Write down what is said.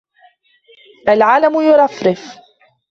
العلم يرفرف.